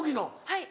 はい。